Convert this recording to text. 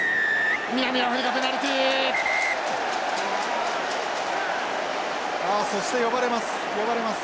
南アフリカペナルティー！そして呼ばれます呼ばれます。